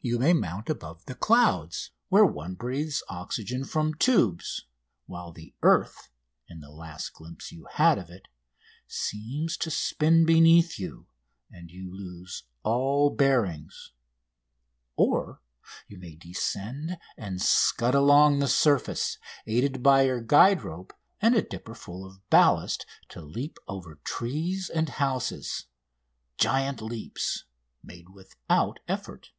You may mount above the clouds, where one breathes oxygen from tubes, while the earth, in the last glimpse you had of it, seems to spin beneath you, and you lose all bearings; or you may descend and scud along the surface, aided by your guide rope and a dipperful of ballast to leap over trees and houses giant leaps made without effort.